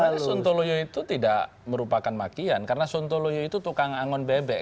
padahal sontoloyo itu tidak merupakan makian karena sontoloyo itu tukang angon bebek